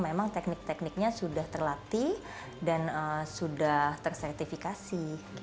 memang teknik tekniknya sudah terlatih dan sudah tersertifikasi